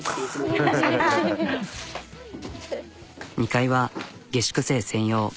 ２階は下宿生専用。